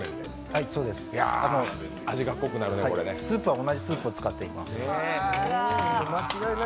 はい、そうです、スープは同じスープを使っています。